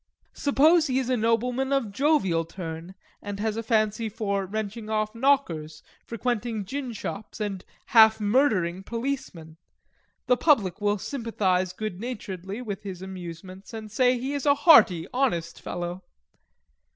Suppose he is a nobleman of a jovial turn, and has a fancy for wrenching off knockers, frequenting ginshops, and half murdering policemen: the public will sympathize good naturedly with his amusements, and say he is a hearty, honest fellow.